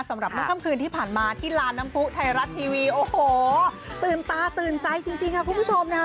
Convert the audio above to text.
สำหรับเมื่อค่ำคืนที่ผ่านมาที่ลานน้ำผู้ไทยรัฐทีวีโอ้โหตื่นตาตื่นใจจริงค่ะคุณผู้ชมนะฮะ